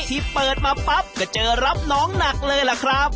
ที่เปิดมาปั๊บก็เจอรับน้องหนักเลยล่ะครับ